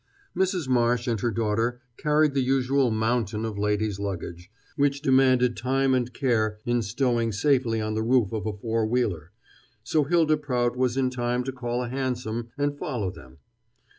Mrs. Marsh and her daughter carried the usual mountain of ladies' luggage, which demanded time and care in stowing safely on the roof of a four wheeler, so Hylda Prout was in time to call a hansom and follow them.